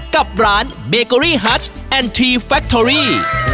กับร้านเบเกอรี่ฮัตแอนทีแฟคทอรี่